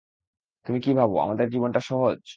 তুমি কি ভাবো, আমাদের জীবনটা সহজ?